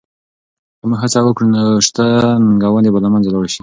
که موږ هڅه وکړو نو شته ننګونې به له منځه لاړې شي.